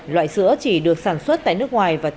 loại sữa chỉ được sản xuất tại nước ngoài và